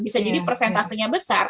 bisa jadi presentasinya besar